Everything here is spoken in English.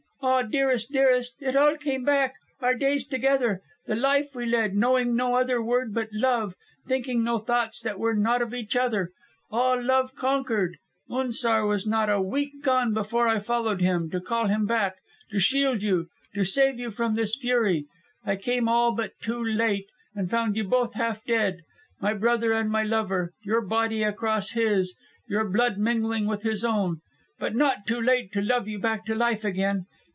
Ah, dearest, dearest, it all came back, our days together, the life we led, knowing no other word but love, thinking no thoughts that were not of each other. And love conquered. Unzar was not a week gone before I followed him to call him back, to shield you, to save you from his fury. I came all but too late, and found you both half dead. My brother and my lover, your body across his, your blood mingling with his own. But not too late to love you back to life again.